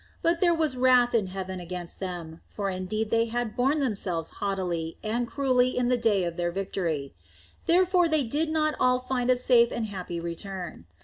But there was wrath in heaven against them, for indeed they had borne themselves haughtily and cruelly in the day of their victory. Therefore they did not all find a safe and happy return.